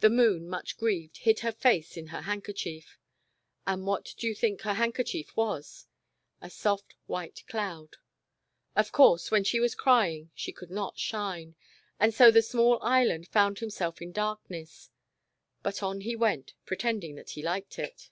The Moon, much grieved, hid her face in her handkerchief And what do you think her hand kerchief was ? A soft white cloud. Of course, when she was crying she could not shine, and so the small Island found himself in darkness. But on he went, pretending that he liked it.